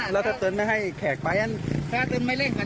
แล้วถ้าเติ้ลไม่ให้แขกไปอันถ้าเติ้ลไม่เล่นกันอันเดียวอันผมไม่ใช่ว่า